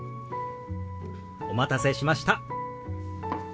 お待たせしました。